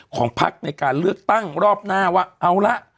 ของพักในการเลือกตั้งรอบหน้าว่าเอาละ